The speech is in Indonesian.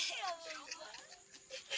ih ya bodoh banget